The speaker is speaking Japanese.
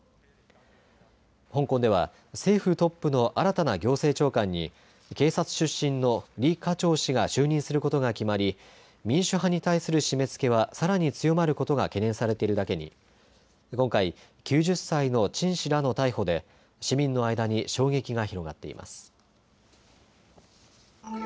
香港では政府トップの新たな行政長官に警察出身の李家超氏が就任することが決まり民主派に対する締めつけはさらに強まることが懸念されているだけに今回、９０歳の陳氏らの逮捕で市民の間に衝撃が広がっています。